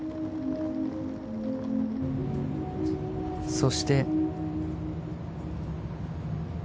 ［そして］